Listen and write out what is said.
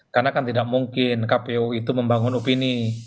karena kan tidak mungkin kpu itu membangun opini